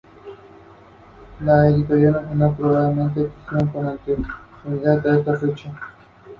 Está fabricado con madera de teca.